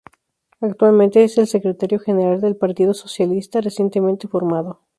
Actualmente es el secretario-general del Partido Socialista, recientemente formado.